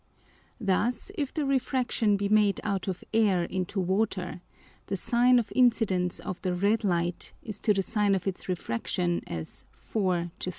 Thus if the Refraction be made out of Air into Water, the Sine of Incidence of the red Light is to the Sine of its Refraction as 4 to 3.